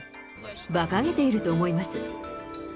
ばかげていると思います。